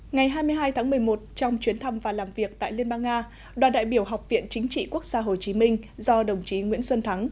ngày hai mươi hai tháng một mươi một trong chuyến thăm và làm việc tại liên bang nga đoàn đại biểu học viện chính trị quốc gia hồ chí minh do đồng chí nguyễn xuân thắng